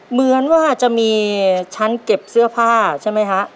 เหมือนว่าจะมีชั้นเก็บเสื้อผ้าใช่ไหมฮะ